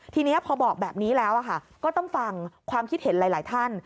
ทีนี้พอบอกแบบนี้แล้วก็ต้องฟังความคิดเห็นหลายท่าน